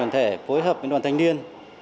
đoàn thể phối hợp với đoàn thanh niên